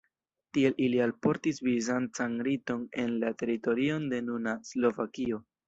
Tiel ili alportis bizancan riton en la teritorion de nuna Slovakio.